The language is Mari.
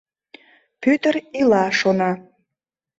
Пӧтыр ила, шона.